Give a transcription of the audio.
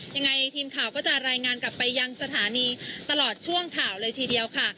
ยังไงทีมข่าวก็จะรายงานกลับไปยังสถานีตลอดช่วงข่าวเลยทีเดียวค่ะ